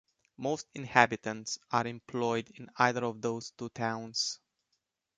Most inhabitants are employed in either of those two towns.